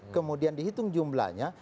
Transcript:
kemudian dihitung jumlahnya